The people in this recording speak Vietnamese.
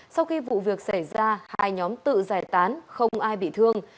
sau khi vụ việc xảy ra hai nhóm tự giải tán không ai bị thương